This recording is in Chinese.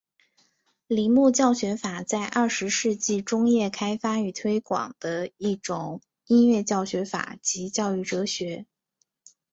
铃木教学法在二十世纪中叶开发与推广的一种音乐教学法及教育哲学。